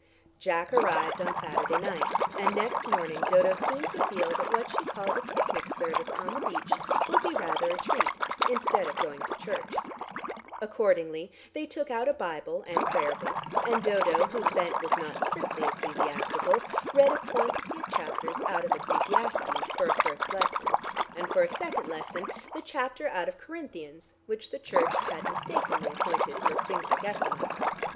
Jack arrived on Saturday night, and next morning Dodo seemed to feel that what she called a "picnic service" on the beach would be rather a treat instead of going to church. Accordingly they took out a Bible and Prayer Book, and Dodo, whose bent was not strictly ecclesiastical, read a quantity of chapters out of Ecclesiastes for a first lesson and for a second lesson the chapter out of Corinthians which the Church had mistakenly appointed for Quinquagesima.